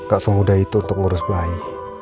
gak semudah itu untuk ngurus bayi